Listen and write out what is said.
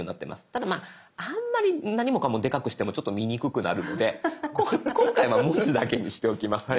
ただあんまり何もかもでかくしてもちょっと見にくくなるので今回は文字だけにしておきますね。